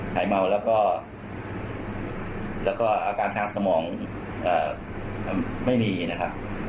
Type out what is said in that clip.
หายเมาแล้วก็อาการทางสมองไม่มีนะครับ